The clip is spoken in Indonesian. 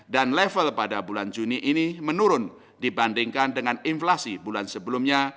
dan level pada bulan juni ini menurun dibandingkan dengan inflasi bulan sebelumnya